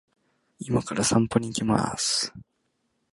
今から散歩に行きます